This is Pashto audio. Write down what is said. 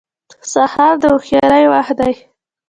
سهار د هوښیارۍ وخت دی.